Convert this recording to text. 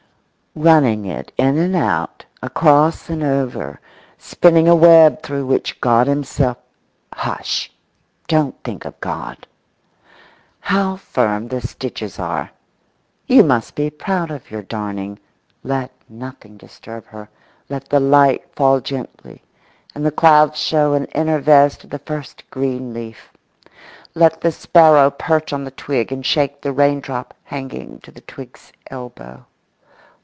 Running it in and out, across and over, spinning a web through which God himself—hush, don't think of God! How firm the stitches are! You must be proud of your darning. Let nothing disturb her. Let the light fall gently, and the clouds show an inner vest of the first green leaf. Let the sparrow perch on the twig and shake the raindrop hanging to the twig's elbow.